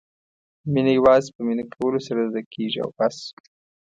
مینه یوازې په مینه کولو سره زده کېږي او بس.